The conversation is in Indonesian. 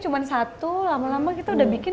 cuma satu lama lama kita udah bikin